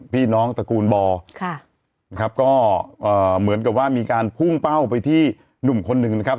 พี่น้องตระกูลบอลนะครับก็เหมือนกับว่ามีการพุ่งเป้าไปที่หนุ่มคนหนึ่งนะครับ